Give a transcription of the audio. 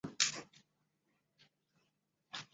位于河南省内乡县乍曲乡白杨村大窑店自然村。